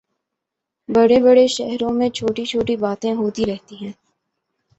بڑے بڑے شہروں میں چھوٹی چھوٹی باتیں ہوتی رہتی ہیں